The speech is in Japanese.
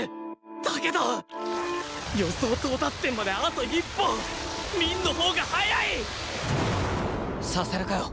だけど予想到達点まであと１歩凛のほうが速い！させるかよ！